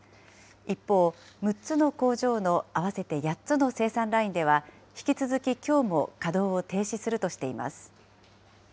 一方、６つの工場の合わせて８つの生産ラインでは、引き続ききょうも稼働を停止するとしています。